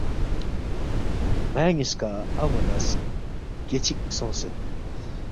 ن٘یا نِ٘یسکا ان٘و لہ سکے چِک سونگسید